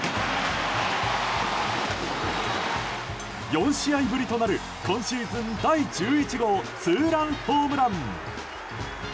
４試合ぶりとなる、今シーズン第１１号ツーランホームラン。